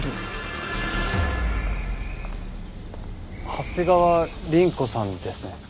長谷川凛子さんですね？